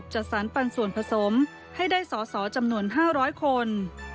จะได้สอสอจำนวน๕๐๐คน